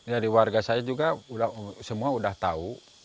ya di warga saya juga semua udah tahu